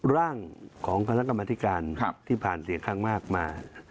ร่างของคณะกรรมธิการที่ผ่านเสียงข้างมากมา